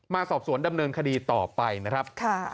มาสอบสวนดำเนินคดีต่อไปนะครับ